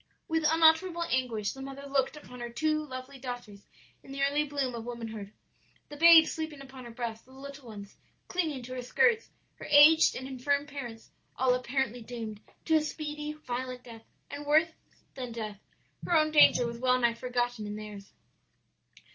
"With unutterable anguish the mother looked upon her two lovely daughters in the early bloom of womanhood, the babe sleeping upon her breast, the little ones clinging to her skirts, her aged and infirm parents, all apparently doomed to a speedy, violent death and worse than death. Her own danger was well nigh forgotten in theirs.